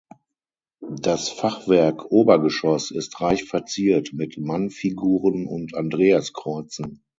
Das Fachwerkobergeschoss ist reich verziert mit Mannfiguren und Andreaskreuzen.